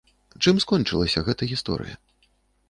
Чым скончылася гэта гісторыя?